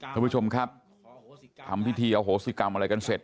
ท่านผู้ชมครับทำพิธีอโหสิกรรมอะไรกันเสร็จ